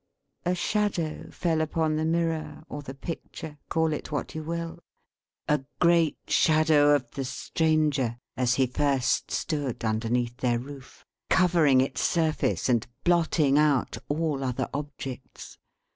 A shadow fell upon the mirror or the picture: call it what you will. A great shadow of the Stranger, as he first stood underneath their roof; covering its surface, and blotting out all other objects.